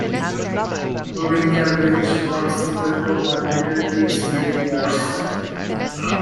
Touring can range from single-to multi-day trips, even years.